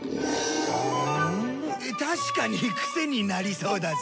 うーん確かにクセになりそうだぜ。